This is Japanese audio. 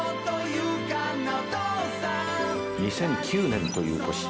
２００９年という年。